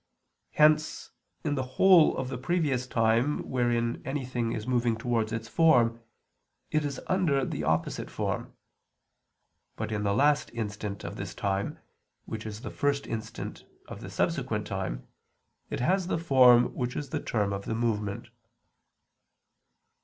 Hence in the whole of the previous time wherein anything is moving towards its form, it is under the opposite form; but in the last instant of this time, which is the first instant of the subsequent time, it has the form which is the term of the movement.